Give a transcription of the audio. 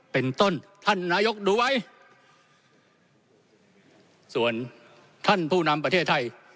เป็นต้นท่านนายกดูไว้ส่วนท่านผู้นำประเทศไทย